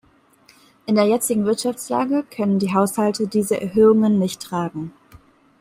In der jetzigen Wirtschaftslage können die Haushalte diese Erhöhungen nicht tragen.